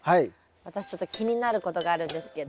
私ちょっと気になることがあるんですけど。